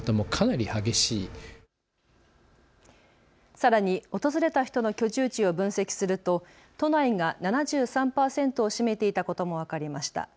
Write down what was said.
さらに訪れた人の居住地を分析すると都内が７３％を占めていたことも分かりました。